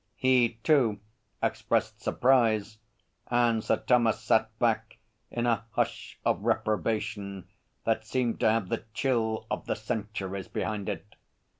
He, too, expressed surprise, and Sir Thomas sat back in a hush of reprobation that seemed to have the chill of the centuries behind it.